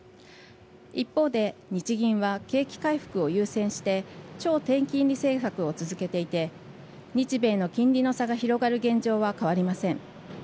一方で日銀は景気回復を優先して超低金利政策を続けていて日米の金利の差が広がる現状は変わりません。